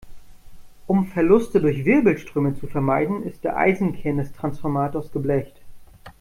Um Verluste durch Wirbelströme zu vermeiden, ist der Eisenkern des Transformators geblecht.